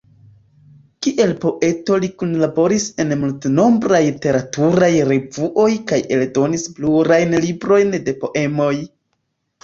Kiel poeto li kunlaboris en multnombraj literaturaj revuoj kaj eldonis plurajn librojn de poemoj.